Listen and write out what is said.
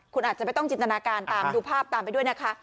คุณอาจจะไม่ต้องจินตนาการตามดูภาพตามไปด้วยนะคะ